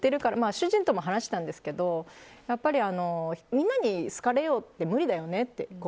主人とも話したんですけどやっぱり、みんなに好かれようって無理だよねって。